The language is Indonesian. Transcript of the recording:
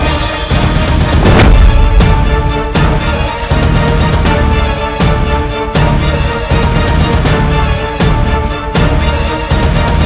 rai dendikian santang dipersilakan memasuki arena pertandingan